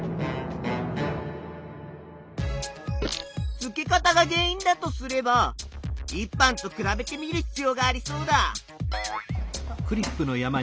付け方が原いんだとすれば１班とくらべてみる必要がありそうだ。